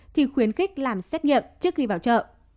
thì khuyến khích làm xét nghiệm trước khi vào chợ